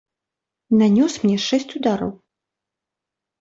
Нанёс мне шэсць удараў.